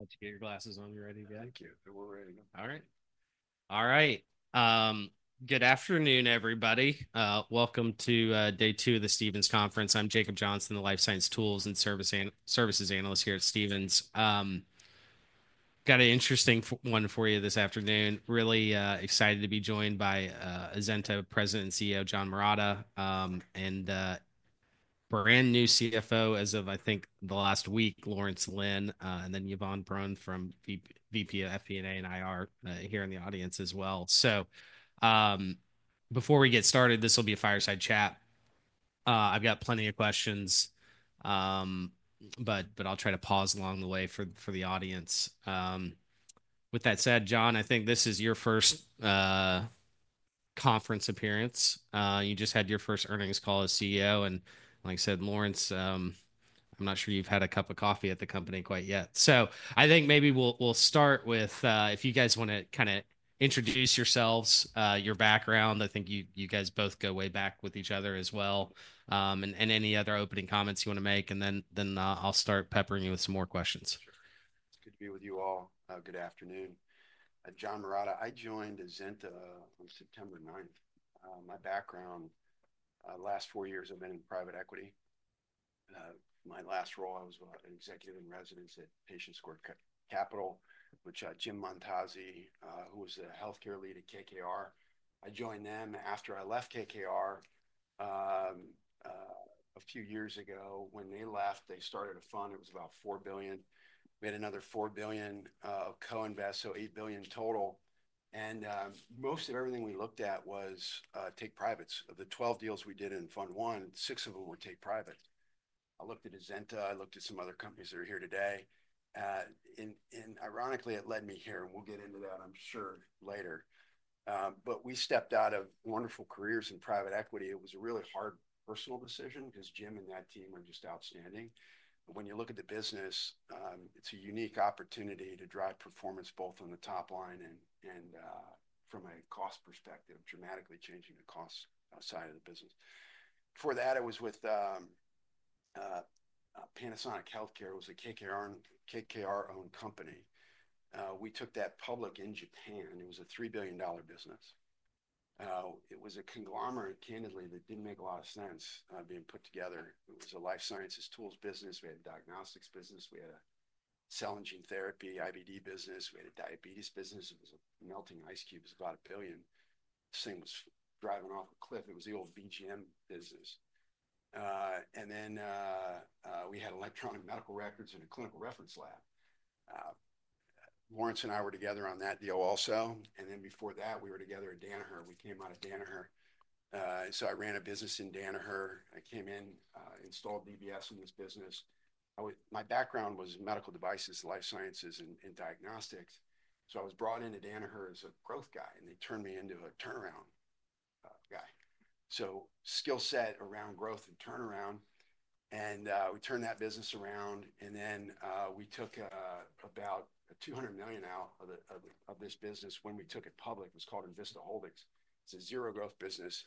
Let's get your glasses on. You ready, John? Thank you. We're ready. All right. All right. Good afternoon, everybody. Welcome to day two of the Stephens Conference. I'm Jacob Johnson, the Life Science Tools and Services Analyst here at Stephens. Got an interesting one for you this afternoon. Really excited to be joined by Azenta President and CEO John Marotta, and brand new CFO as of, I think, the last week, Lawrence Lin, and then Yvonne Perron from VP of FP&A and IR here in the audience as well. So before we get started, this will be a fireside chat. I've got plenty of questions, but I'll try to pause along the way for the audience. With that said, John, I think this is your first conference appearance. You just had your first earnings call as CEO. And like I said, Lawrence, I'm not sure you've had a cup of coffee at the company quite yet. So I think maybe we'll start with, if you guys want to kind of introduce yourselves, your background, I think you guys both go way back with each other as well, and any other opening comments you want to make, and then I'll start peppering you with some more questions. Good to be with you all. Good afternoon. John Marotta, I joined Azenta on September 9th. My background, last four years I've been in private equity. My last role, I was an executive in residence at Patient Square Capital, which Jim Momtazee, who was the healthcare lead at KKR, I joined them after I left KKR a few years ago. When they left, they started a fund. It was about $4 billion. We had another $4 billion of co-invest, so $8 billion total. And most of everything we looked at was take privates. Of the 12 deals we did in fund one, six of them were take private. I looked at Azenta. I looked at some other companies that are here today. And ironically, it led me here. We'll get into that, I'm sure, later. But we stepped out of wonderful careers in private equity. It was a really hard personal decision because Jim and that team are just outstanding. When you look at the business, it's a unique opportunity to drive performance both on the top line and from a cost perspective, dramatically changing the cost side of the business. Before that, I was with Panasonic Healthcare. It was a KKR-owned company. We took that public in Japan. It was a $3 billion business. It was a conglomerate, candidly, that didn't make a lot of sense being put together. It was a life sciences tools business. We had a diagnostics business. We had a cell and gene therapy, IBD business. We had a diabetes business. It was a melting ice cube. It was about a $1 billion. This thing was driving off a cliff. It was the old VGM business. And then we had electronic medical records in a clinical reference lab. Lawrence and I were together on that deal also. And then before that, we were together at Danaher. We came out of Danaher. So I ran a business in Danaher. I came in, installed DBS in this business. My background was medical devices, life sciences, and diagnostics. So I was brought into Danaher as a growth guy, and they turned me into a turnaround guy. So skill set around growth and turnaround. And we turned that business around. And then we took about $200 million out of this business when we took it public. It was called Envista Holdings. It's a zero-growth business.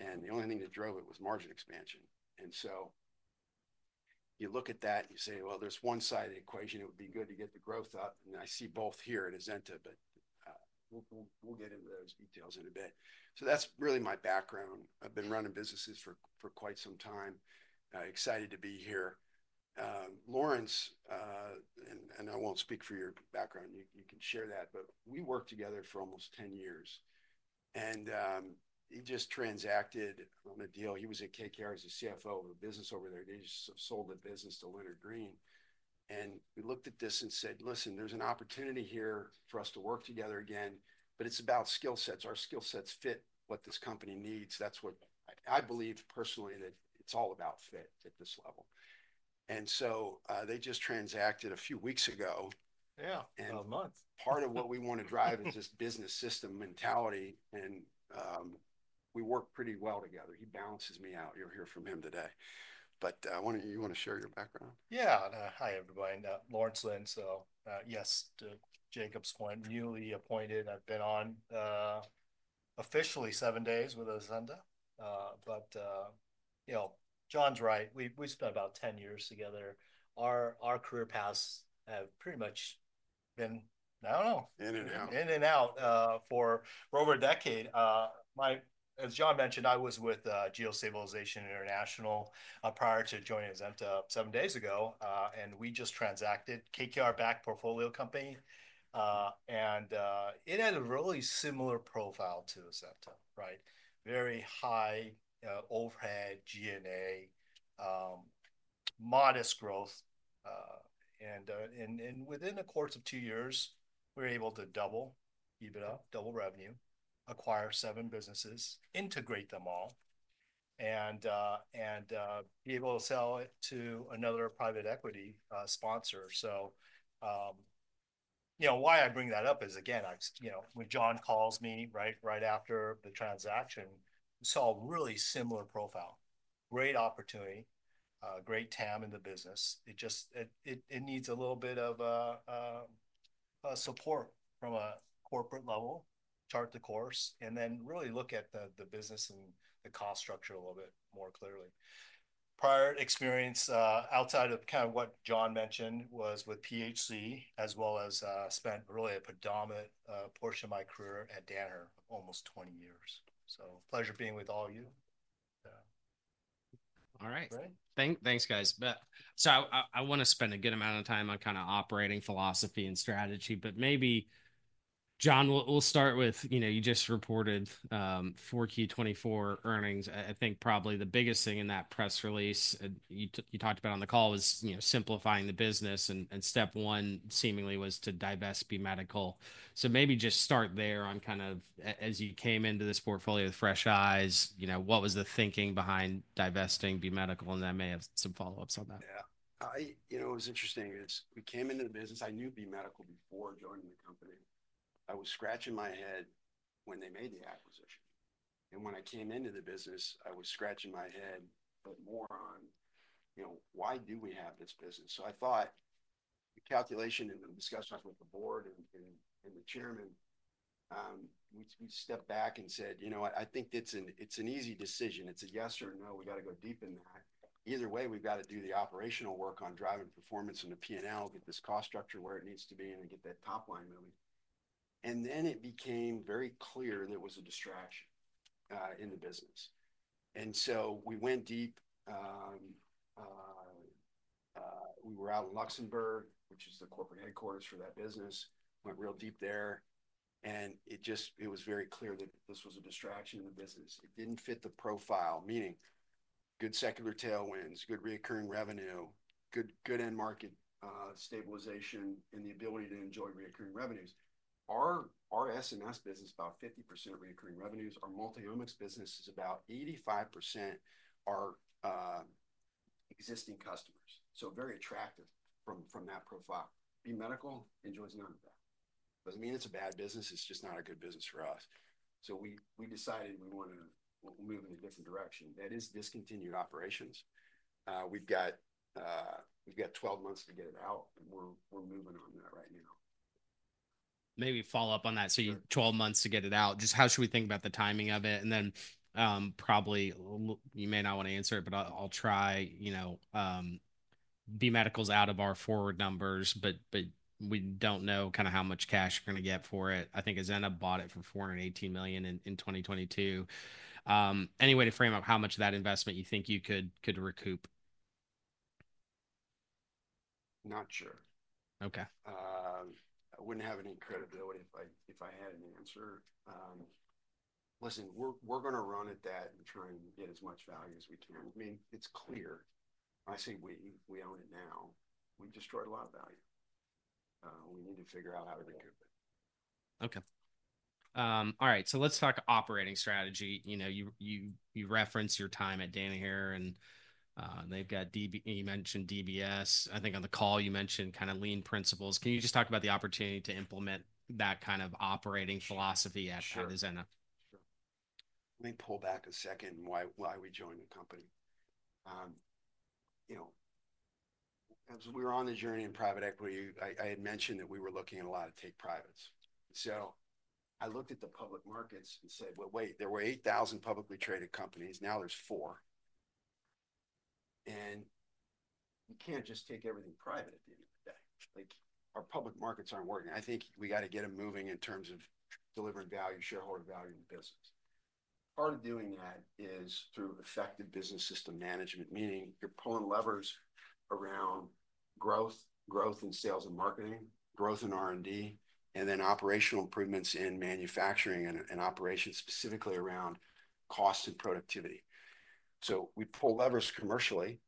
And the only thing that drove it was margin expansion. And so you look at that, you say, "Well, there's one side of the equation. It would be good to get the growth up, and I see both here at Azenta, but we'll get into those details in a bit, so that's really my background. I've been running businesses for quite some time. Excited to be here. Lawrence, and I won't speak for your background. You can share that, but we worked together for almost 10 years, and he just transacted on a deal. He was at KKR as a CFO of a business over there. They just sold the business to Leonard Green, and we looked at this and said, 'Listen, there's an opportunity here for us to work together again, but it's about skill sets. Our skill sets fit what this company needs.' That's what I believe personally that it's all about fit at this level, and so they just transacted a few weeks ago. Yeah. A month. Part of what we want to drive is this business system mentality, and we work pretty well together. He balances me out. You'll hear from him today. You want to share your background? Yeah. Hi, everybody. Lawrence Lin. So yes, to Jacob's point, newly appointed. I've been on officially seven days with Azenta. But John's right. We spent about 10 years together. Our career paths have pretty much been, I don't know. In and out. In and out for over a decade. As John mentioned, I was with GeoStabilization International prior to joining Azenta seven days ago, and we just transacted KKR-backed portfolio company, and it had a really similar profile to Azenta, right? Very high overhead, G&A, modest growth, and within a course of two years, we were able to double, keep it up, double revenue, acquire seven businesses, integrate them all, and be able to sell it to another private equity sponsor. So why I bring that up is, again, when John calls me right after the transaction, we saw a really similar profile. Great opportunity, great TAM in the business. It needs a little bit of support from a corporate level, chart the course, and then really look at the business and the cost structure a little bit more clearly. Prior experience outside of kind of what John mentioned was with PHC, as well as spent really a predominant portion of my career at Danaher, almost 20 years. So pleasure being with all of you. All right. Great. Thanks, guys. So I want to spend a good amount of time on kind of operating philosophy and strategy, but maybe John, we'll start with, you just reported 4Q 24 earnings. I think probably the biggest thing in that press release you talked about on the call was simplifying the business, and step one seemingly was to divest B Medical. So maybe just start there on kind of, as you came into this portfolio with fresh eyes, what was the thinking behind divesting B Medical? And then may have some follow-ups on that. Yeah. It was interesting because we came into the business. I knew B Medical Systems before joining the company. I was scratching my head when they made the acquisition. And when I came into the business, I was scratching my head, but more on why do we have this business? So I thought the calculation and the discussions with the board and the chairman, we stepped back and said, "You know what? I think it's an easy decision. It's a yes or no. We got to go deep in that. Either way, we've got to do the operational work on driving performance in the P&L, get this cost structure where it needs to be, and then get that top line moving." And then it became very clear that it was a distraction in the business. And so we went deep. We were out in Luxembourg, which is the corporate headquarters for that business. Went real deep there. And it was very clear that this was a distraction in the business. It didn't fit the profile, meaning good secular tailwinds, good recurring revenue, good end market stabilization, and the ability to enjoy recurring revenues. Our SMS business, about 50% of recurring revenues. Our multi-omics business is about 85% our existing customers. So very attractive from that profile. B Medical enjoys none of that. Doesn't mean it's a bad business. It's just not a good business for us. So we decided we want to move in a different direction. That is discontinued operations. We've got 12 months to get it out. We're moving on that right now. Maybe follow up on that. So you have 12 months to get it out. Just how should we think about the timing of it? And then probably you may not want to answer it, but I'll try. B Medical's out of our forward numbers, but we don't know kind of how much cash you're going to get for it. I think Azenta bought it for $418 million in 2022. Any way to frame up how much of that investment you think you could recoup? Not sure. Okay. I wouldn't have any credibility if I had an answer. Listen, we're going to run at that and try and get as much value as we can. I mean, it's clear. When I say we, we own it now. We destroyed a lot of value. We need to figure out how to recoup it. Okay. All right. So let's talk operating strategy. You referenced your time at Danaher, and you mentioned DBS. I think on the call, you mentioned kind of lean principles. Can you just talk about the opportunity to implement that kind of operating philosophy at Azenta? Sure. Let me pull back a second and why we joined the company. As we were on the journey in private equity, I had mentioned that we were looking at a lot of take privates. So I looked at the public markets and said, "Well, wait. There were 8,000 publicly traded companies. Now there's four." And you can't just take everything private at the end of the day. Our public markets aren't working. I think we got to get them moving in terms of delivering value, shareholder value in the business. Part of doing that is through effective business system management, meaning you're pulling levers around growth, growth in sales and marketing, growth in R&D, and then operational improvements in manufacturing and operations specifically around cost and productivity. So we pull levers commercially,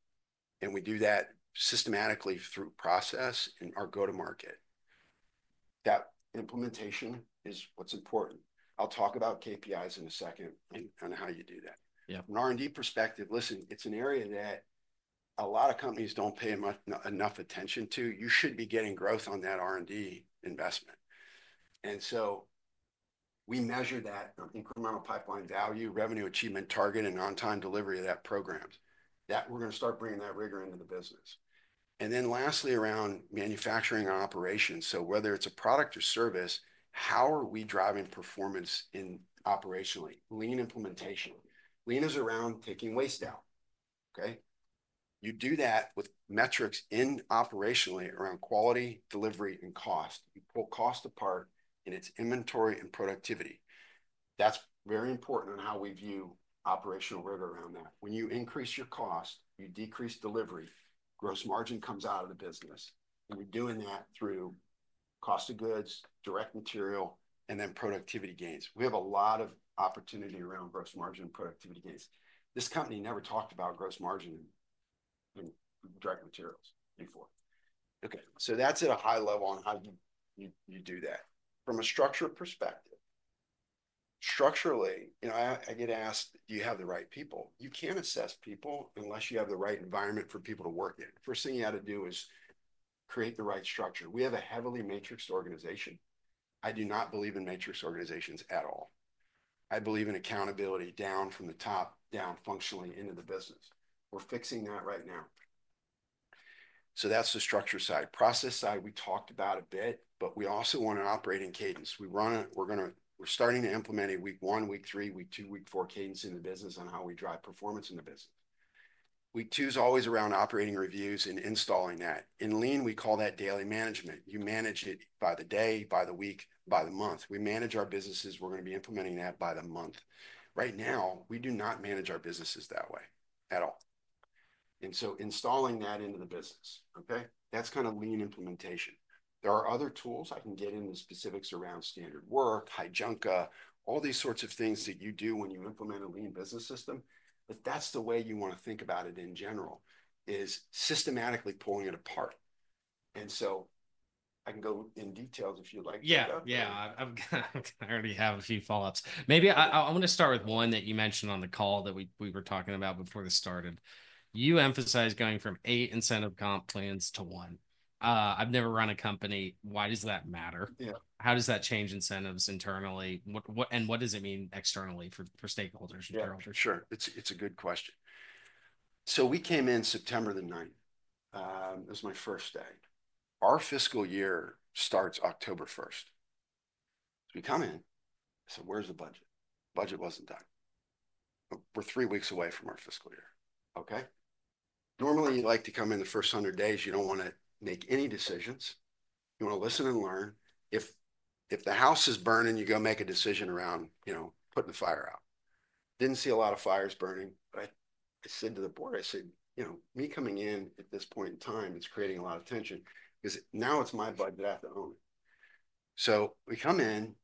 and we do that systematically through process and our go-to-market. That implementation is what's important. I'll talk about KPIs in a second and how you do that. From an R&D perspective, listen, it's an area that a lot of companies don't pay enough attention to. You should be getting growth on that R&D investment, and so we measure that from incremental pipeline value, revenue achievement target, and on-time delivery of that program that we're going to start bringing that rigor into the business, and then lastly, around manufacturing and operations, so whether it's a product or service, how are we driving performance operationally? Lean implementation. Lean is around taking waste out. Okay? You do that with metrics in operationally around quality, delivery, and cost. You pull cost apart and it's inventory and productivity. That's very important on how we view operational rigor around that. When you increase your cost, you decrease delivery. Gross margin comes out of the business. And we're doing that through cost of goods, direct material, and then productivity gains. We have a lot of opportunity around gross margin and productivity gains. This company never talked about gross margin and direct materials before. Okay. So that's at a high level on how you do that. From a structure perspective, structurally, I get asked, "Do you have the right people?" You can't assess people unless you have the right environment for people to work in. The first thing you got to do is create the right structure. We have a heavily matrixed organization. I do not believe in matrix organizations at all. I believe in accountability down from the top down functionally into the business. We're fixing that right now. So that's the structure side. Process side, we talked about a bit, but we also want an operating cadence. We're starting to implement a week one, week three, week two, week four cadence in the business on how we drive performance in the business. Week two is always around operating reviews and installing that. In lean, we call that daily management. You manage it by the day, by the week, by the month. We manage our businesses. We're going to be implementing that by the month. Right now, we do not manage our businesses that way at all, and so installing that into the business. Okay? That's kind of lean implementation. There are other tools. I can get into specifics around standard work, heijunka, all these sorts of things that you do when you implement a lean business system. But that's the way you want to think about it in general, is systematically pulling it apart, and so I can go in details if you'd like to go. Yeah. Yeah. I already have a few follow-ups. Maybe I want to start with one that you mentioned on the call that we were talking about before this started. You emphasized going from eight incentive comp plans to one. I've never run a company. Why does that matter? How does that change incentives internally? And what does it mean externally for stakeholders and shareholders? Sure. It's a good question. So we came in September the 9th. It was my first day. Our fiscal year starts October 1st. So we come in. I said, "Where's the budget?" Budget wasn't done. We're three weeks away from our fiscal year. Okay? Normally, you like to come in the first 100 days. You don't want to make any decisions. You want to listen and learn. If the house is burning, you go make a decision around putting the fire out. Didn't see a lot of fires burning. But I said to the board, I said, "Me coming in at this point in time, it's creating a lot of tension because now it's my budget I have to own." So we come in,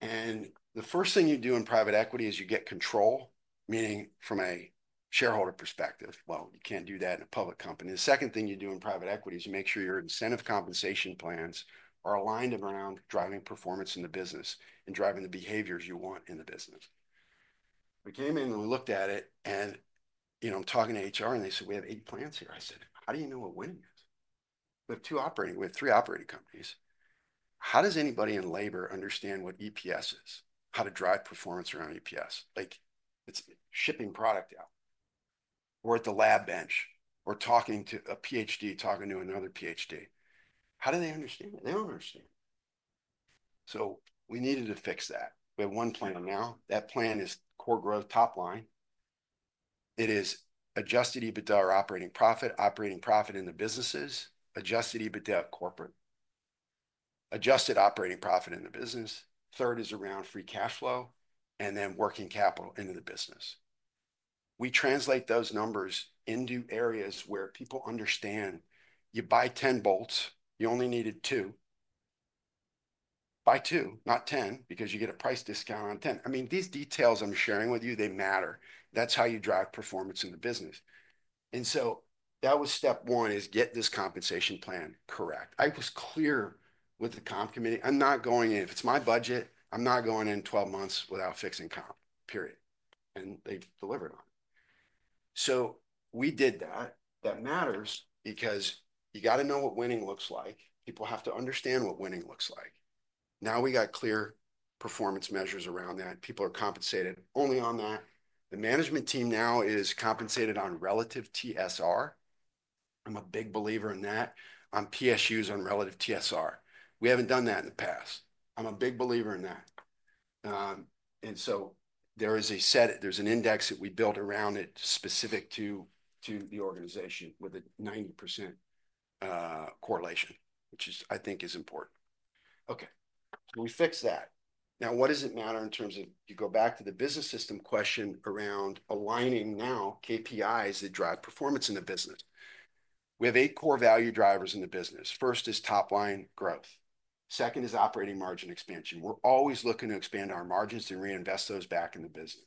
and the first thing you do in private equity is you get control, meaning from a shareholder perspective. You can't do that in a public company. The second thing you do in private equity is make sure your incentive compensation plans are aligned around driving performance in the business and driving the behaviors you want in the business. We came in and we looked at it, and I'm talking to HR, and they said, "We have eight plans here." I said, "How do you know what winning is?" We have two operating. We have three operating companies. How does anybody in labor understand what EPS is? How to drive performance around EPS? It's shipping product out. We're at the lab bench. We're talking to a PhD, talking to another PhD. How do they understand it? They don't understand. So we needed to fix that. We have one plan now. That plan is core growth top line. It is Adjusted EBITDA or operating profit, operating profit in the businesses, Adjusted EBITDA corporate, adjusted operating profit in the business. Third is around free cash flow and then working capital into the business. We translate those numbers into areas where people understand you buy 10 bolts, you only needed two. Buy two, not 10, because you get a price discount on 10. I mean, these details I'm sharing with you, they matter. That's how you drive performance in the business. And so that was step one, is get this compensation plan correct. I was clear with the comp committee, "I'm not going in. If it's my budget, I'm not going in 12 months without fixing comp, period." And they delivered on it. So we did that. That matters because you got to know what winning looks like. People have to understand what winning looks like. Now we got clear performance measures around that. People are compensated only on that. The management team now is compensated on relative TSR. I'm a big believer in that. On PSUs on relative TSR. We haven't done that in the past. I'm a big believer in that. And so there's an index that we built around it specific to the organization with a 90% correlation, which I think is important. Okay. So we fixed that. Now, what does it matter in terms of you go back to the business system question around aligning now KPIs that drive performance in the business? We have eight core value drivers in the business. First is top line growth. Second is operating margin expansion. We're always looking to expand our margins to reinvest those back in the business.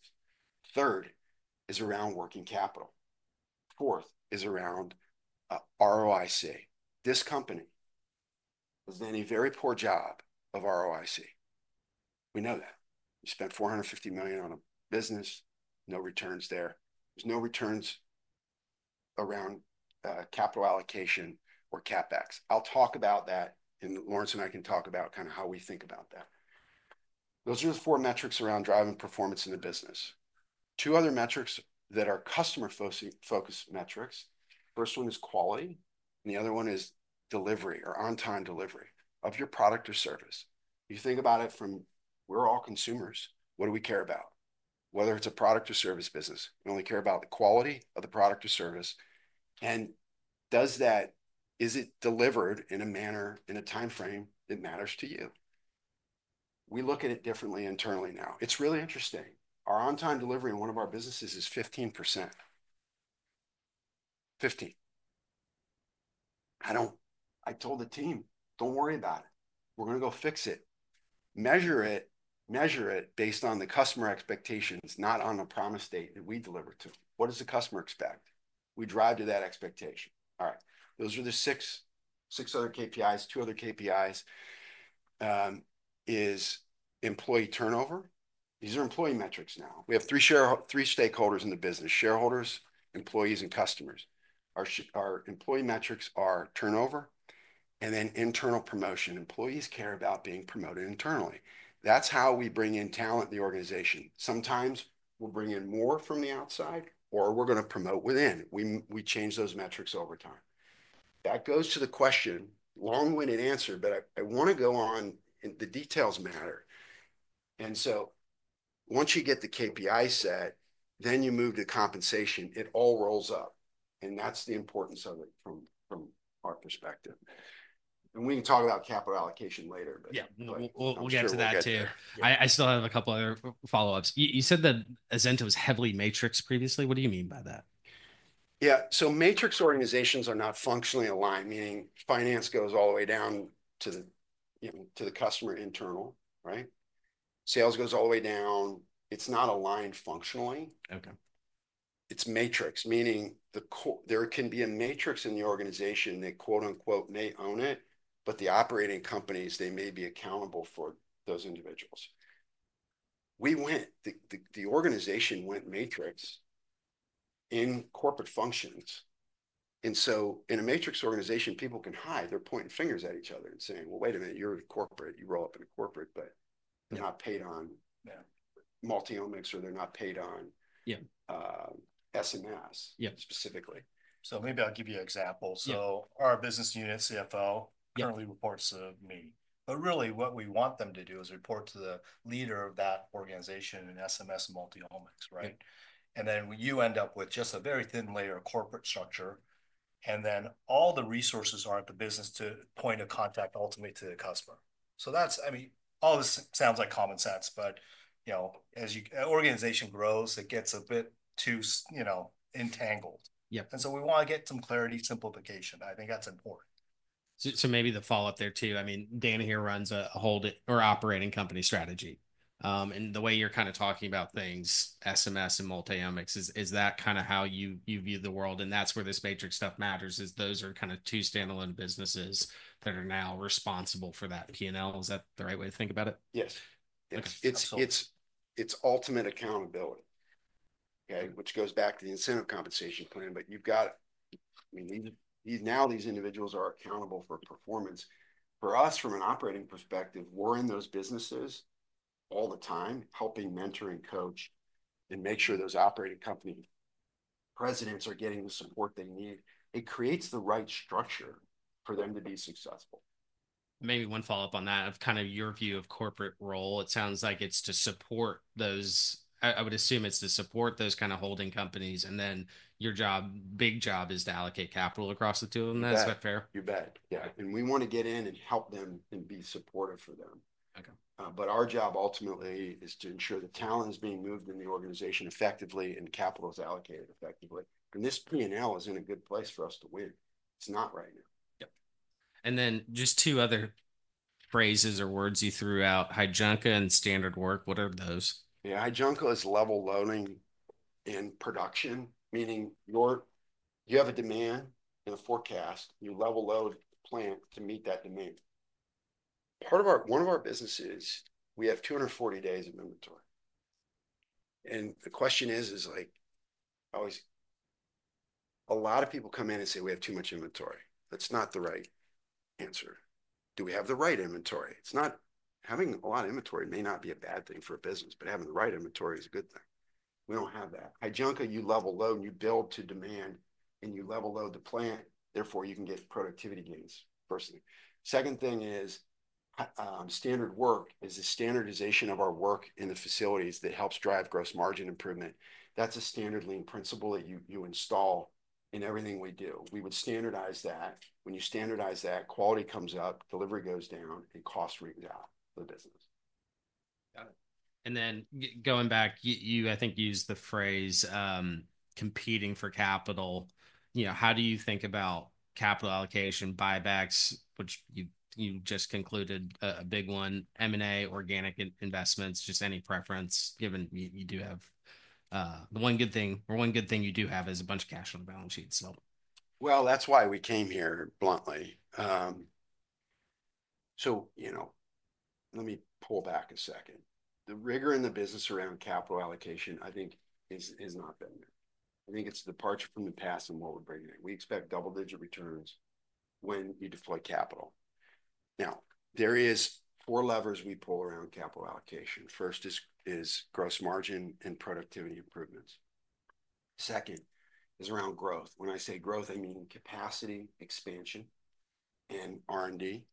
Third is around working capital. Fourth is around ROIC. This company was in a very poor job of ROIC. We know that. We spent $450 million on a business. No returns there. There's no returns around capital allocation or CapEx. I'll talk about that, and Lawrence and I can talk about kind of how we think about that. Those are the four metrics around driving performance in the business. Two other metrics that are customer-focused metrics. First one is quality, and the other one is delivery or on-time delivery of your product or service. You think about it from we're all consumers. What do we care about? Whether it's a product or service business, we only care about the quality of the product or service. And does that is it delivered in a manner, in a timeframe that matters to you? We look at it differently internally now. It's really interesting. Our on-time delivery in one of our businesses is 15%. 15. I told the team, "Don't worry about it. We're going to go fix it. Measure it based on the customer expectations, not on the promise date that we deliver to." What does the customer expect? We drive to that expectation. All right. Those are the six other KPIs. Two other KPIs is employee turnover. These are employee metrics now. We have three stakeholders in the business: shareholders, employees, and customers. Our employee metrics are turnover and then internal promotion. Employees care about being promoted internally. That's how we bring in talent in the organization. Sometimes we'll bring in more from the outside, or we're going to promote within. We change those metrics over time. That goes to the question, long-winded answer, but I want to go on. The details matter. And so once you get the KPI set, then you move to compensation. It all rolls up. And that's the importance of it from our perspective. And we can talk about capital allocation later, but. Yeah. We'll get to that too. I still have a couple of other follow-ups. You said that Azenta was heavily matrixed previously. What do you mean by that? Yeah. So matrix organizations are not functionally aligned, meaning finance goes all the way down to the customer internal, right? Sales goes all the way down. It's not aligned functionally. It's matrix, meaning there can be a matrix in the organization that "may own it," but the operating companies, they may be accountable for those individuals. We, the organization, went matrix in corporate functions. And so in a matrix organization, people can hide. They're pointing fingers at each other and saying, "Well, wait a minute. You're a corporate. You roll up in a corporate, but they're not paid on multi-omics or they're not paid on SMS specifically. So maybe I'll give you an example. So our business unit CFO currently reports to me. But really, what we want them to do is report to the leader of that organization in SMS multi-omics, right? And then you end up with just a very thin layer of corporate structure, and then all the resources are at the business point of contact ultimately to the customer. So that's, I mean, all this sounds like common sense, but as your organization grows, it gets a bit too entangled. And so we want to get some clarity, simplification. I think that's important. So maybe the follow-up there too, I mean, Danaher runs a holdco operating company strategy. And the way you're kind of talking about things, SMS and multi-omics, is that kind of how you view the world? And that's where this matrix stuff matters, is those are kind of two standalone businesses that are now responsible for that P&L. Is that the right way to think about it? Yes. It's ultimate accountability, which goes back to the incentive compensation plan, but you've got now these individuals are accountable for performance. For us, from an operating perspective, we're in those businesses all the time, helping, mentoring, coach, and make sure those operating company presidents are getting the support they need. It creates the right structure for them to be successful. Maybe one follow-up on that of kind of your view of corporate role. It sounds like it's to support those. I would assume it's to support those kind of holding companies, and then your job, big job, is to allocate capital across the two of them. That's fair? Yeah. You bet. Yeah. And we want to get in and help them and be supportive for them. But our job ultimately is to ensure the talent is being moved in the organization effectively and capital is allocated effectively. And this P&L is in a good place for us to win. It's not right now. Yep. And then just two other phrases or words you threw out. Heijunka and standard work. What are those? Yeah. Heijunka is level loading in production, meaning you have a demand and a forecast. You level load the plant to meet that demand. Part of our businesses, we have 240 days of inventory. And the question is, a lot of people come in and say, "We have too much inventory." That's not the right answer. Do we have the right inventory? Having a lot of inventory may not be a bad thing for a business, but having the right inventory is a good thing. We don't have that. Heijunka, you level load, you build to demand, and you level load the plant. Therefore, you can get productivity gains personally. Second thing is standard work is the standardization of our work in the facilities that helps drive gross margin improvement. That's a standard lean principle that you install in everything we do. We would standardize that. When you standardize that, quality comes up, delivery goes down, and cost rings out for the business. Got it. And then going back, you, I think, used the phrase "competing for capital." How do you think about capital allocation, buybacks, which you just concluded a big one, M&A, organic investments, just any preference, given you do have the one good thing or one good thing you do have is a bunch of cash on the balance sheet, so. That's why we came here bluntly. Let me pull back a second. The rigor in the business around capital allocation, I think, is not there. I think it's departure from the past and what we're bringing in. We expect double-digit returns when you deploy capital. Now, there are four levers we pull around capital allocation. First is gross margin and productivity improvements. Second is around growth. When I say growth, I mean capacity expansion and R&D.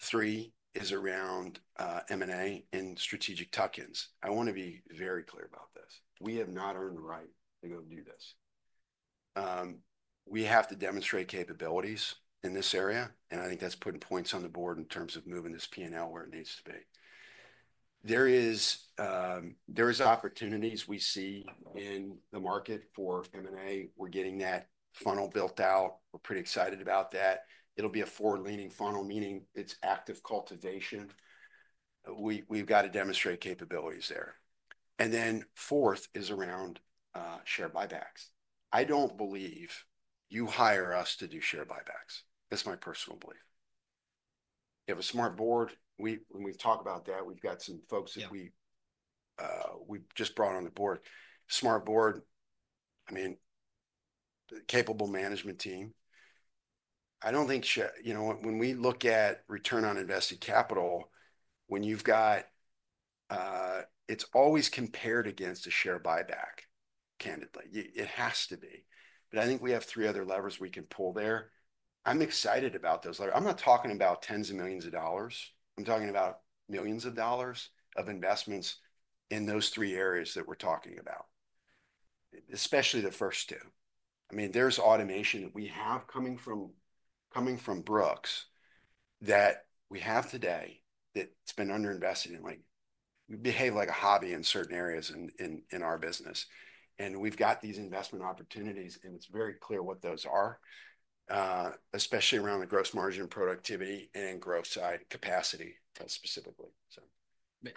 Three is around M&A and strategic tuck-ins. I want to be very clear about this. We have not earned the right to go do this. We have to demonstrate capabilities in this area, and I think that's putting points on the board in terms of moving this P&L where it needs to be. There are opportunities we see in the market for M&A. We're getting that funnel built out. We're pretty excited about that. It'll be a forward-leaning funnel, meaning it's active cultivation. We've got to demonstrate capabilities there, and then fourth is around share buybacks. I don't believe you hire us to do share buybacks. That's my personal belief. You have a smart board. When we talk about that, we've got some folks that we've just brought on the board. Smart board, I mean, capable management team. I don't think when we look at return on invested capital, when you've got, it's always compared against a share buyback, candidly. It has to be, but I think we have three other levers we can pull there. I'm excited about those. I'm not talking about tens of millions of dollars. I'm talking about millions of dollars of investments in those three areas that we're talking about, especially the first two. I mean, there's automation that we have coming from Brooks that we have today that's been underinvested in. We behave like a hobby in certain areas in our business. And we've got these investment opportunities, and it's very clear what those are, especially around the gross margin productivity and growth side capacity specifically, so.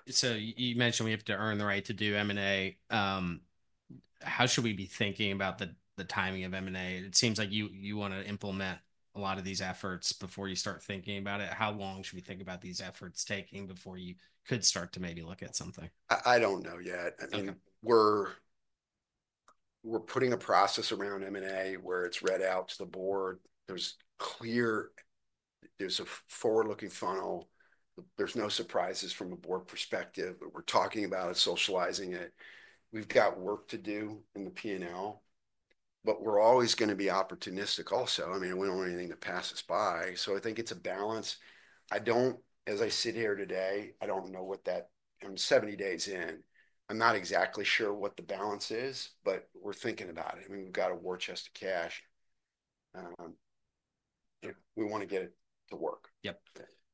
So you mentioned we have to earn the right to do M&A. How should we be thinking about the timing of M&A? It seems like you want to implement a lot of these efforts before you start thinking about it. How long should we think about these efforts taking before you could start to maybe look at something? I don't know yet. I mean, we're putting a process around M&A where it's read out to the board. There's a forward-looking funnel. There's no surprises from a board perspective. We're talking about it, socializing it. We've got work to do in the P&L, but we're always going to be opportunistic also. I mean, we don't want anything to pass us by. So I think it's a balance. As I sit here today, I don't know what that is. I'm 70 days in. I'm not exactly sure what the balance is, but we're thinking about it. I mean, we've got a war chest of cash. We want to get it to work. Yep.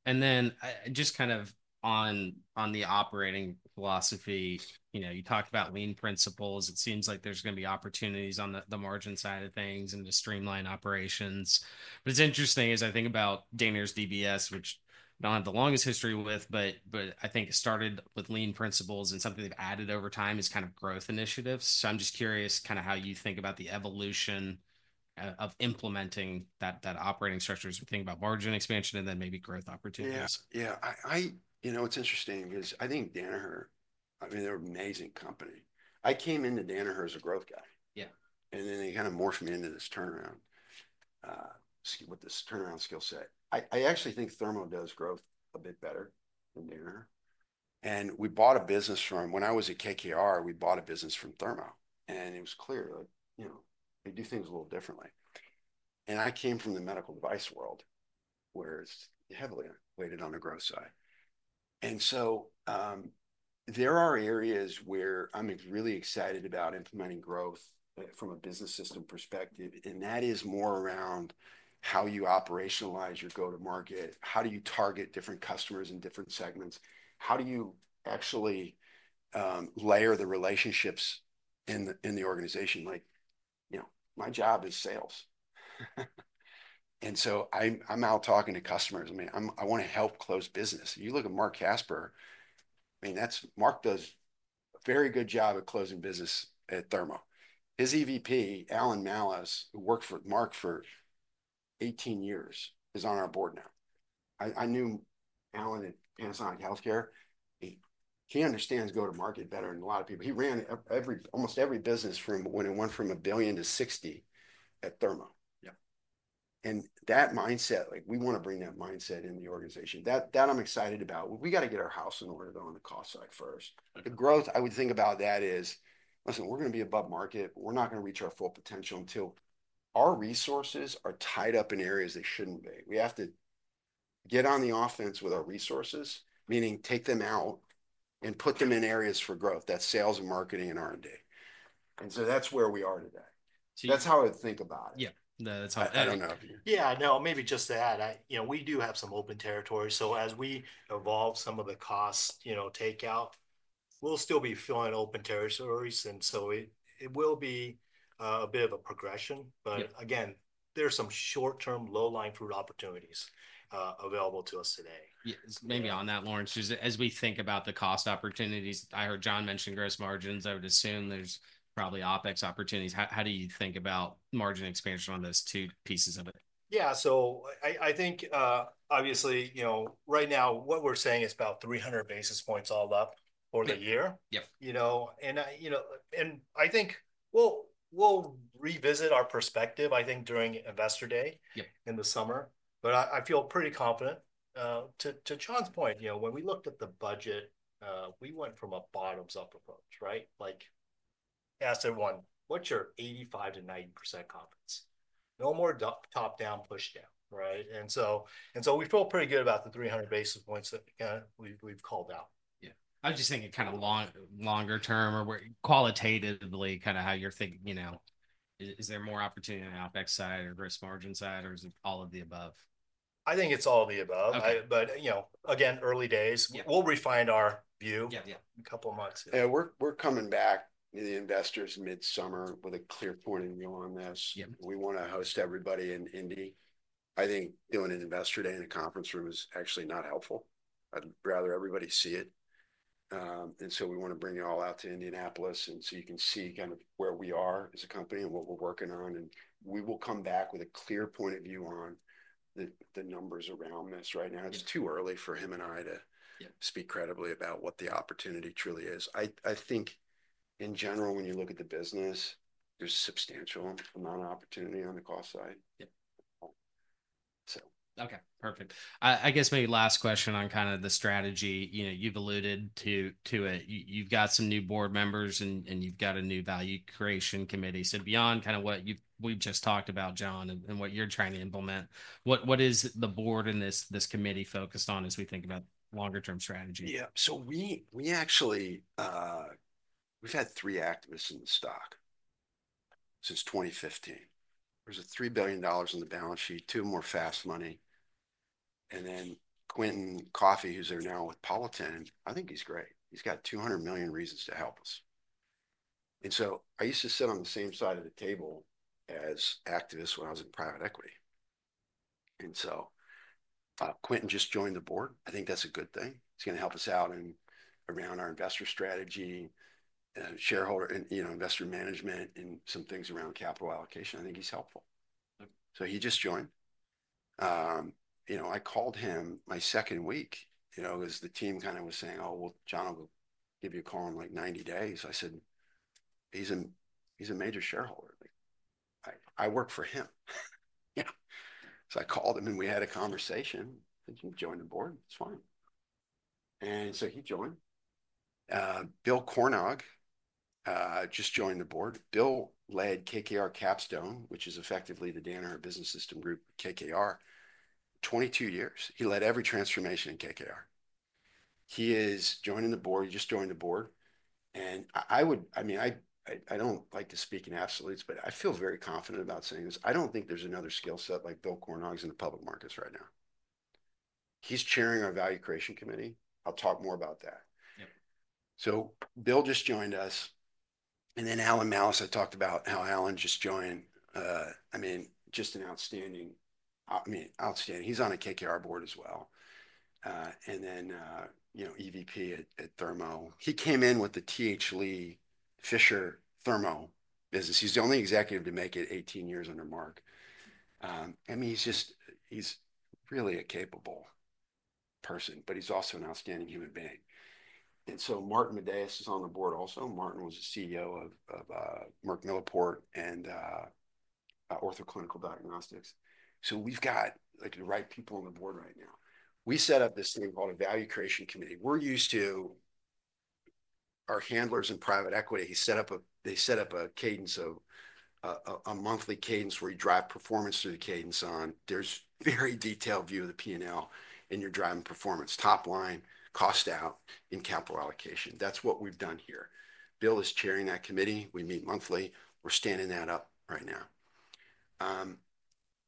And then just kind of on the operating philosophy, you talked about lean principles. It seems like there's going to be opportunities on the margin side of things and to streamline operations. But it's interesting as I think about Danaher's DBS, which I don't have the longest history with, but I think it started with lean principles and something they've added over time is kind of growth initiatives. So I'm just curious kind of how you think about the evolution of implementing that operating structure as we think about margin expansion and then maybe growth opportunities. Yeah. Yeah. It's interesting because I think Danaher, I mean, they're an amazing company. I came into Danaher as a growth guy, and then they kind of morphed me into this turnaround with this turnaround skill set. I actually think Thermo does growth a bit better than Danaher. And we bought a business from when I was at KKR, we bought a business from Thermo, and it was clear they do things a little differently. And I came from the medical device world where it's heavily weighted on the growth side. And so there are areas where I'm really excited about implementing growth from a business system perspective, and that is more around how you operationalize your go-to-market, how do you target different customers in different segments, how do you actually layer the relationships in the organization. My job is sales. And so I'm out talking to customers. I mean, I want to help close business. You look at Marc Casper. I mean, Marc does a very good job of closing business at Thermo. His EVP, Alan Malus, who worked for Marc for 18 years, is on our board now. I knew Alan at Panasonic Healthcare. He understands go-to-market better than a lot of people. He ran almost every business from when it went from a billion to 60 at Thermo. And that mindset, we want to bring that mindset in the organization. That I'm excited about. We got to get our house in order though on the cost side first. The growth, I would think about that is, listen, we're going to be above market. We're not going to reach our full potential until our resources are tied up in areas they shouldn't be. We have to get on the offense with our resources, meaning take them out and put them in areas for growth, that's sales and marketing and R&D. And so that's where we are today. That's how I think about it. Yeah. No, that's all right. I don't know. Yeah. No, maybe just to add, we do have some open territory, so as we evolve some of the cost takeout, we'll still be filling open territories, and so it will be a bit of a progression, but again, there are some short-term low-hanging fruit opportunities available to us today. Maybe on that, Lawrence, as we think about the cost opportunities, I heard John mention gross margins. I would assume there's probably OpEx opportunities. How do you think about margin expansion on those two pieces of it? Yeah. So I think, obviously, right now, what we're saying is about 300 basis points all up for the year. And I think we'll revisit our perspective, I think, during investor day in the summer. But I feel pretty confident. To John's point, when we looked at the budget, we went from a bottoms-up approach, right? Asked everyone, "What's your 85%-90% confidence? No more top-down push-down," right? And so we feel pretty good about the 300 basis points that we've called out. Yeah. I was just thinking kind of longer term or qualitatively kind of how you're thinking, is there more opportunity on the OpEx side or gross margin side, or is it all of the above? I think it's all of the above. But again, early days. We'll refine our view in a couple of months. Yeah. We're coming back to the investors mid-summer with a clear point of view on this. We want to host everybody in Indy. I think doing an investor day in a conference room is actually not helpful. I'd rather everybody see it. And so we want to bring it all out to Indianapolis so you can see kind of where we are as a company and what we're working on. And we will come back with a clear point of view on the numbers around this right now. It's too early for him and I to speak credibly about what the opportunity truly is. I think, in general, when you look at the business, there's a substantial amount of opportunity on the cost side, so. Okay. Perfect. I guess maybe last question on kind of the strategy. You've alluded to it. You've got some new board members, and you've got a new value creation committee. So beyond kind of what we've just talked about, John, and what you're trying to implement, what is the board and this committee focused on as we think about longer-term strategy? Yeah. So we've had three activists in the stock since 2015. There's a $3 billion on the balance sheet, two more fast money. And then Quentin Koffey, who's there now with Politan, I think he's great. He's got 200 million reasons to help us. And so I used to sit on the same side of the table as activists when I was in private equity. And so Quentin just joined the board. I think that's a good thing. He's going to help us out around our investor strategy, shareholder investor management, and some things around capital allocation. I think he's helpful. So he just joined. I called him my second week because the team kind of was saying, "Oh, well, John will give you a call in like 90 days." I said, "He's a major shareholder. I work for him." So I called him, and we had a conversation. He joined the board. It's fine. And so he joined. Bill Cornog just joined the board. Bill led KKR Capstone, which is effectively the Danaher Business System group at KKR for 22 years. He led every transformation in KKR. He is joining the board. He just joined the board. And I mean, I don't like to speak in absolutes, but I feel very confident about saying this. I don't think there's another skill set like Bill Cornog's in the public markets right now. He's chairing our value creation committee. I'll talk more about that. So Bill just joined us. And then Alan Malus, I talked about how Alan just joined. I mean, just an outstanding. I mean, outstanding. He's on a KKR board as well. And then EVP at Thermo. He came in with the TH Lee Fisher Thermo business. He's the only executive to make it 18 years under Marc. I mean, he's really a capable person, but he's also an outstanding human being. And so Martin Madaus is on the board also. Martin was the CEO of Merck Millipore and Ortho Clinical Diagnostics. So we've got the right people on the board right now. We set up this thing called a Value Creation Committee. We're used to our handlers in private equity, they set up a cadence, a monthly cadence where you drive performance through the cadence on. There's a very detailed view of the P&L, and you're driving performance, top line, cost out, and capital allocation. That's what we've done here. Bill is chairing that committee. We meet monthly. We're standing that up right now.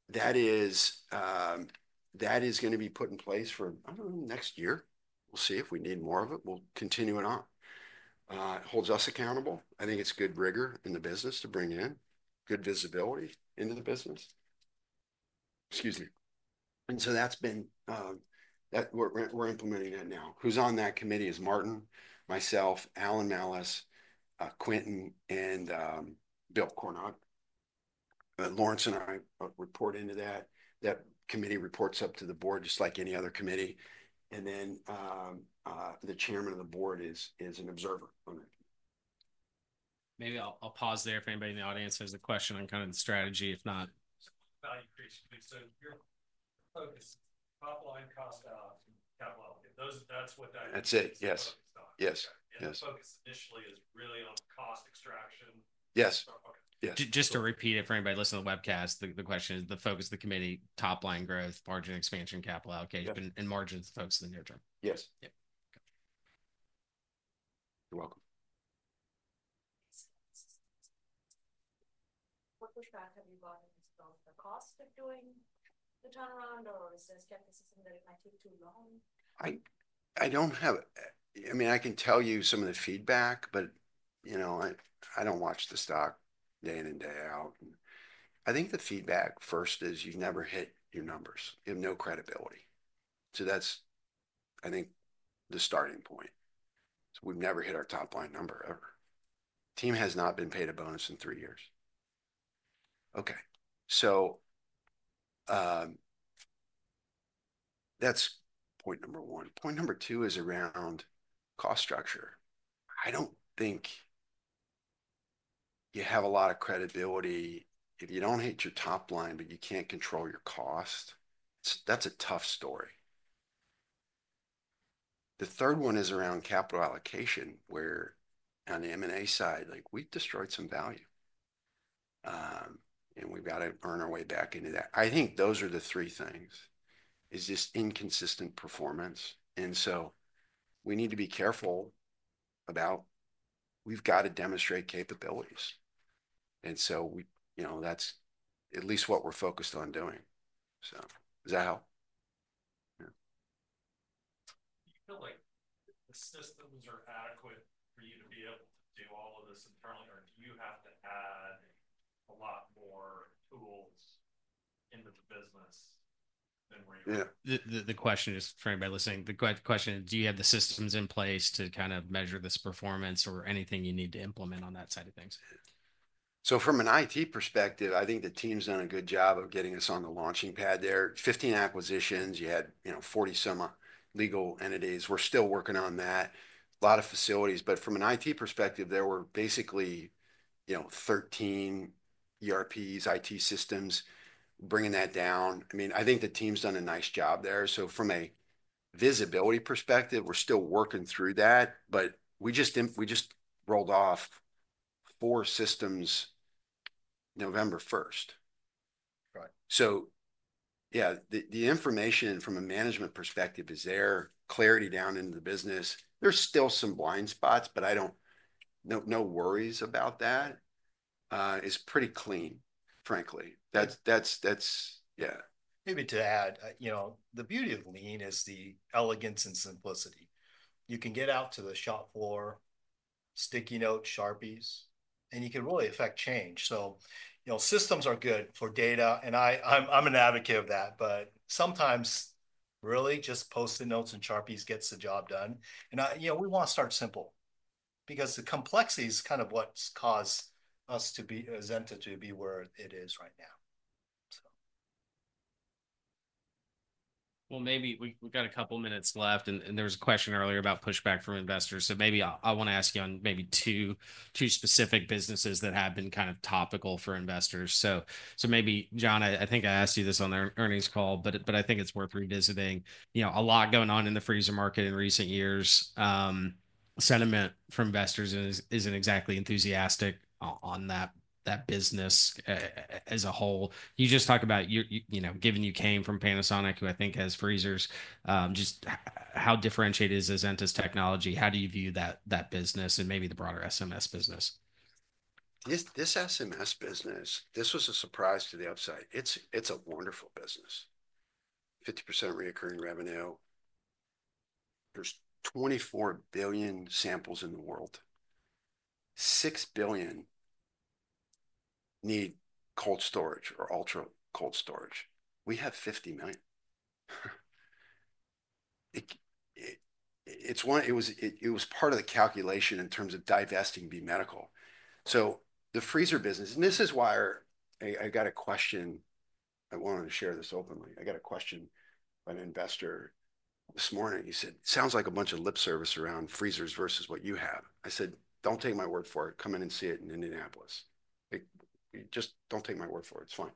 That is going to be put in place for, I don't know, next year. We'll see if we need more of it. We'll continue it on. It holds us accountable. I think it's good rigor in the business to bring in good visibility into the business. Excuse me. And so that's been what we're implementing right now. Who's on that committee is Martin, myself, Alan Malus, Quentin, and Bill Cornog. Lawrence and I report into that. That committee reports up to the board just like any other committee. And then the chairman of the board is an observer on that committee. Maybe I'll pause there if anybody in the audience has a question on kind of the strategy, if not. [inaudible] That's it. Yes. [inauFocus initially is really on cost extraction. Yes. Okay. Just to repeat it for anybody listening to the webcast, the question is the focus of the committee, top line growth, margin expansion, capital allocation, and margins, focus in the near term. Yes. Yep. [inaudible] You're welcome. What pushback have you gotten in terms of the cost of doing the turnaround, or is there a skepticism that it might take too long? I don't have it. I mean, I can tell you some of the feedback, but I don't watch the stock day in and day out. I think the feedback first is you've never hit your numbers. You have no credibility. So that's, I think, the starting point. So we've never hit our top line number ever. Team has not been paid a bonus in three years. Okay. So that's point number one. Point number two is around cost structure. I don't think you have a lot of credibility if you don't hit your top line, but you can't control your cost. That's a tough story. The third one is around capital allocation, where on the M&A side, we've destroyed some value, and we've got to earn our way back into that. I think those are the three things: is this inconsistent performance. And so we need to be careful about we've got to demonstrate capabilities. And so that's at least what we're focused on doing. So does that help? [inaudible] systems are adequate for you to be able to do all of this internally, or do you have to add a lot more tools into the business than where you're? Yeah. The question is for anybody listening. The question is, do you have the systems in place to kind of measure this performance or anything you need to implement on that side of things? So from an IT perspective, I think the team's done a good job of getting us on the launching pad there. 15 acquisitions. You had 40-some legal entities. We're still working on that. A lot of facilities. But from an IT perspective, there were basically 13 ERPs, IT systems, bringing that down. I mean, I think the team's done a nice job there. So from a visibility perspective, we're still working through that, but we just rolled off four systems November 1st. So yeah, the information from a management perspective is there. Clarity down into the business. There's still some blind spots, but no worries about that. It's pretty clean, frankly. Yeah. Maybe to add, the beauty of lean is the elegance and simplicity. You can get out to the shop floor, sticky note, Sharpies, and you can really affect change. So systems are good for data, and I'm an advocate of that, but sometimes really just posting notes and Sharpies gets the job done, and we want to start simple because the complexity is kind of what's caused us to be Azenta to be where it is right now, so. Maybe we've got a couple of minutes left, and there was a question earlier about pushback from investors. I want to ask you on maybe two specific businesses that have been kind of topical for investors. Maybe, John, I think I asked you this on the earnings call, but I think it's worth revisiting. A lot going on in the freezer market in recent years. Sentiment from investors isn't exactly enthusiastic on that business as a whole. You just talked about, given you came from Panasonic, who I think has freezers, just how differentiated is Azenta's technology? How do you view that business and maybe the broader SMS business? This SMS business, this was a surprise to the upside. It's a wonderful business. 50% recurring revenue. There's 24 billion samples in the world. 6 billion need cold storage or ultra cold storage. We have 50 million. It was part of the calculation in terms of divesting B Medical. So the freezer business, and this is why I got a question. I wanted to share this openly. I got a question by an investor this morning. He said, "Sounds like a bunch of lip service around freezers versus what you have." I said, "Don't take my word for it. Come in and see it in Indianapolis. Just don't take my word for it. It's fine."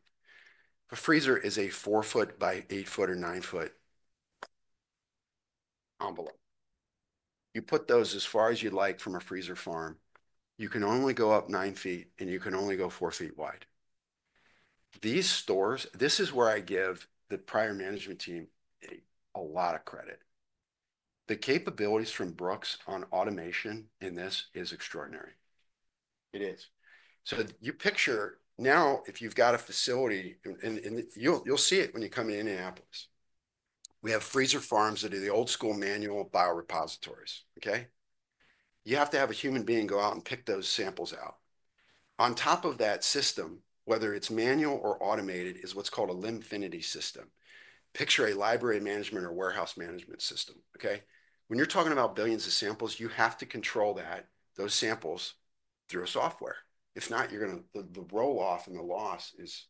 A freezer is a 4-foot by 8-foot or 9-foot envelope. You put those as far as you'd like from a freezer farm. You can only go up 9 ft, and you can only go 4 ft wide. These stores, this is where I give the prior management team a lot of credit. The capabilities from Brooks on automation in this is extraordinary. It is. So you picture now, if you've got a facility, and you'll see it when you come to Indianapolis, we have freezer farms that are the old-school manual biorepositories, okay? You have to have a human being go out and pick those samples out. On top of that system, whether it's manual or automated, is what's called a Limfinity system. Picture a library management or warehouse management system, okay? When you're talking about billions of samples, you have to control those samples through a software. If not, you're going to the roll-off and the loss is,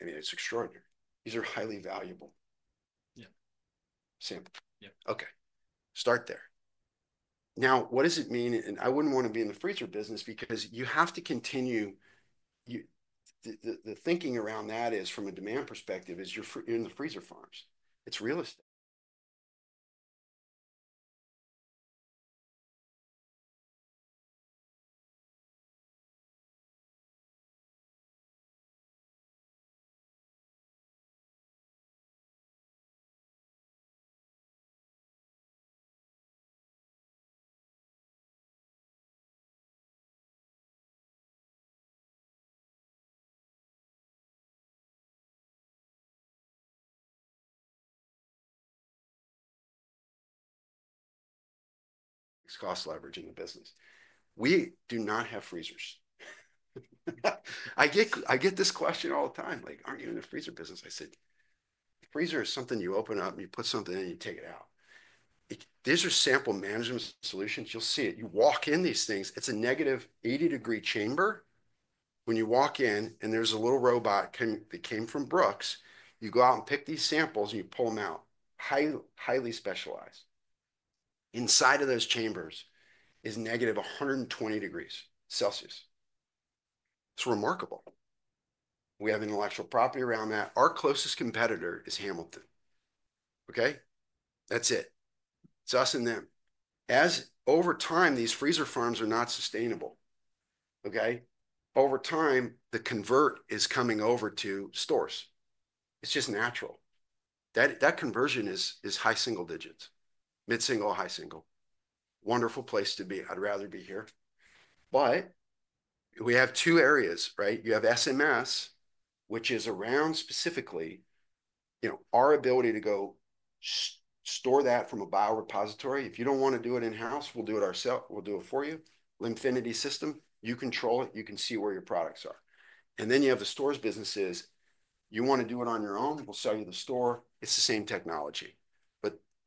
I mean, it's extraordinary. These are highly valuable samples. Okay. Start there. Now, what does it mean, and I wouldn't want to be in the freezer business because you have to continue the thinking around that, from a demand perspective, you're in the freezer farms. It's real estate. It's cost leveraging the business. We do not have freezers. I get this question all the time. Like, "Aren't you in the freezer business?" I said, "Freezer is something you open up, and you put something in, and you take it out." These are sample management solutions. You'll see it. You walk in these things. It's a negative 80 degrees chamber when you walk in, and there's a little robot that came from Brooks. You go out and pick these samples, and you pull them out. Highly specialized. Inside of those chambers is negative 120 degrees Celsius. It's remarkable. We have intellectual property around that. Our closest competitor is Hamilton. Okay? That's it. It's us and them. As over time, these freezer farms are not sustainable. Okay? Over time, the conversion is coming over to stores. It's just natural. That conversion is high single digits, mid-single, high single. Wonderful place to be. I'd rather be here. But we have two areas, right? You have SMS, which is around specifically our ability to store that from a biorepository. If you don't want to do it in-house, we'll do it ourselves. We'll do it for you. Limfinity system. You control it. You can see where your products are, and then you have the stores businesses. You want to do it on your own. We'll sell you the store. It's the same technology.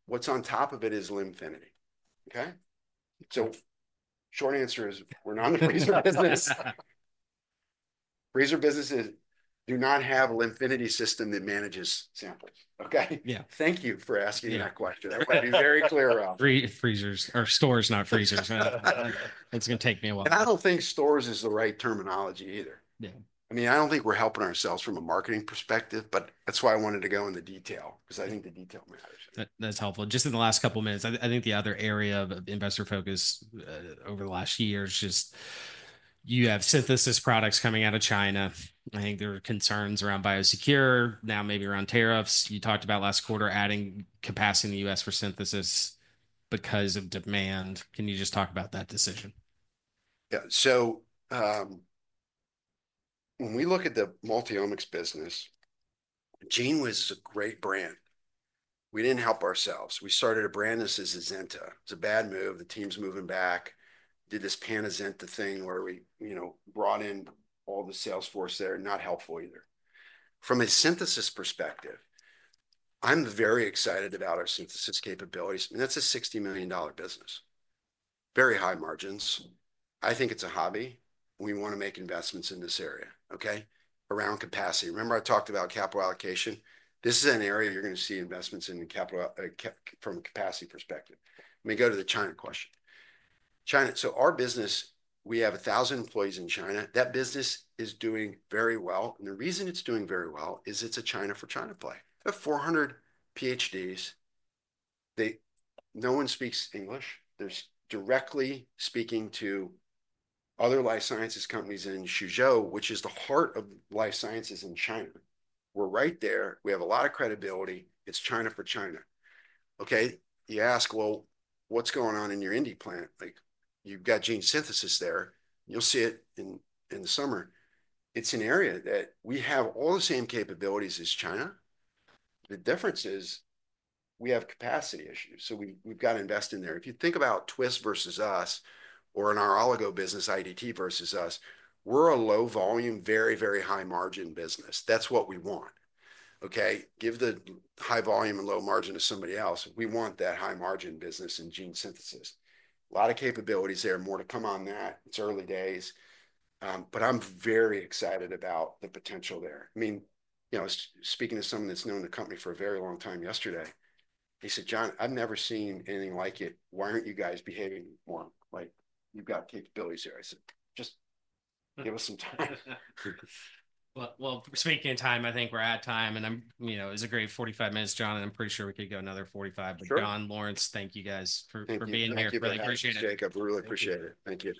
But what's on top of it is Limfinity. Okay? So short answer is we're not in the freezer business. Freezer businesses do not have a Limfinity system that manages samples. Okay? Thank you for asking that question. I want to be very clear about. Freezers or stores, not freezers. It's going to take me a while. And I don't think stores is the right terminology either. I mean, I don't think we're helping ourselves from a marketing perspective, but that's why I wanted to go in the detail because I think the detail matters. That's helpful. Just in the last couple of minutes, I think the other area of investor focus over the last year is just you have synthesis products coming out of China. I think there are concerns around Biosecure, now maybe around tariffs. You talked about last quarter adding capacity in the U.S. for synthesis because of demand. Can you just talk about that decision? Yeah. So when we look at the multi-omics business, GENEWIZ was a great brand. We didn't help ourselves. We started a brand that says Azenta. It's a bad move. The team's moving back. We did this Pan-azenta[Zamazenta] thing where we brought in all the sales force there. Not helpful either. From a synthesis perspective, I'm very excited about our synthesis capabilities. And that's a $60 million business. Very high margins. I think it's a hobby. We want to make investments in this area, okay, around capacity. Remember I talked about capital allocation. This is an area you're going to see investments in from a capacity perspective. Let me go to the China question. Our business, we have 1,000 employees in China. That business is doing very well. The reason it's doing very well is it's a China for China play. They have 400 PhDs. No one speaks English. They're directly speaking to other life sciences companies in Suzhou, which is the heart of life sciences in China. We're right there. We have a lot of credibility. It's China for China. Okay? You ask, "Well, what's going on in your Indy plant?" You've got gene synthesis there. You'll see it in the summer. It's an area that we have all the same capabilities as China. The difference is we have capacity issues. So we've got to invest in there. If you think about Twist versus us or in our oligo business, IDT versus us, we're a low-volume, very, very high-margin business. That's what we want. Okay? Give the high volume and low margin to somebody else. We want that high-margin business in gene synthesis. A lot of capabilities there. More to come on that. It's early days. But I'm very excited about the potential there. I mean, speaking to someone that's known the company for a very long time yesterday, he said, "John, I've never seen anything like it. Why aren't you guys behaving more like you've got capabilities here?" I said, "Just give us some time. Speaking of time, I think we're at time. It was a great 45 minutes, John. I'm pretty sure we could go another 45. John, Lawrence, thank you guys for being here. Really appreciate it. Thank you, Jacob. We really appreciate it. Thank you.